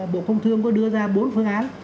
bộ công thương có đưa ra bốn phương án